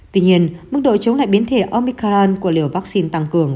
tuy nhiên mức độ chống lại biến thể omikaran của liều vaccine tăng cường